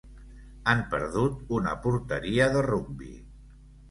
Han perdut una porteria de rugbi.